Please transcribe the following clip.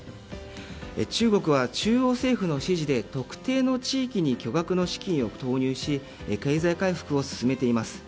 中国は中央政府の指示で特定の地域に巨額の資金を投入し経済回復を進めています。